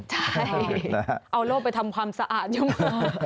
ใช่เอาโรคไปทำความสะอาดอยู่